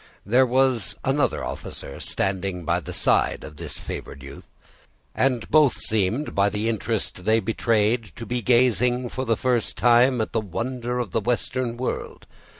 There was another officer standing by the side of this favored youth; and both seemed, by the interest they betrayed, to be gazing, for the first time, at the wonder of the western world.